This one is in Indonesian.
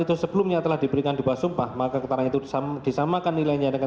itu sebelumnya telah diberikan di bawah sumpah maka keterangan itu disamakan nilainya dengan